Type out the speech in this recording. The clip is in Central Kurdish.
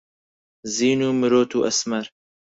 زین و مرۆت و ئەسمەر